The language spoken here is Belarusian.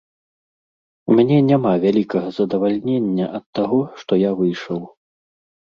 У мяне няма вялікага задавальнення ад таго, што я выйшаў.